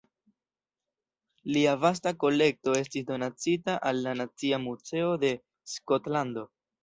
Lia vasta kolekto estis donacita al la Nacia Muzeo de Skotlando.